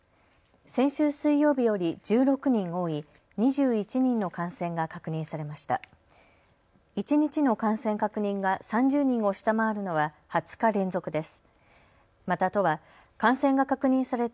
先週水曜日より１６人多い２１人の感染が確認されました。